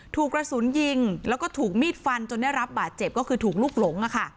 ถูกกระสุนยิงแล้วก็ถูกมีดฟันจนได้รับบาดเจ็บก็คือถูกลูกหลง